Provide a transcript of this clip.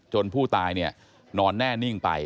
จนผู้ตายเนี่ยนอนแน่นิ่งไป